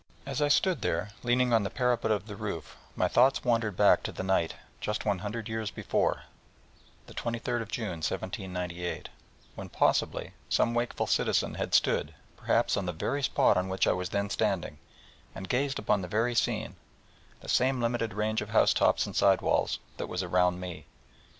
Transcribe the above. As I stood there, leaning on the parapet of the roof, my thoughts wandered back to the night, just one hundred years before, the 23rd of June, 1798, when possibly some wakeful citizen had stood, perhaps on the very spot on which I was then standing, and gazed upon the very scene, the same limited range of housetops and sidewalls, that was around me.